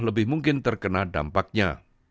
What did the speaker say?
lebih mungkin terkena dampaknya